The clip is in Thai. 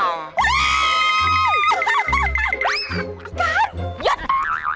กัลหยุด